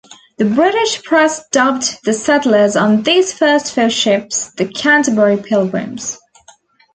The British press dubbed the settlers on these first four ships the Canterbury Pilgrims.